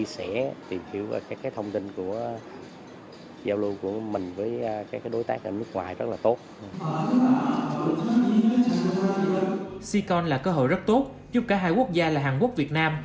sico là cơ hội rất tốt giúp cả hai quốc gia là hàn quốc việt nam